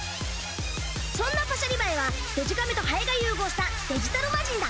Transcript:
そんなパシャリバエはデジカメとハエが融合した「デジタルマジン」だ！